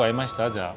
じゃあ。